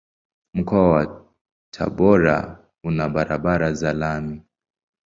Mkoa wa Tabora una barabara za lami.